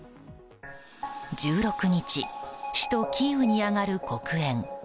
１６日首都キーウに上がる黒煙。